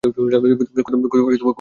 কোথায় কল করেছ?